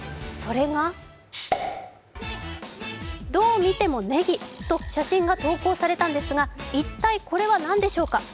それが、どう見てもネギと写真が投稿されたんですが、一体これは何でしょうか。